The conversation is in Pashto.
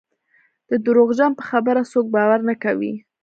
د درواغجن په خبره څوک باور نه کوي.